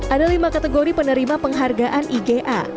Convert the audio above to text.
ada lima kategori penerima penghargaan iga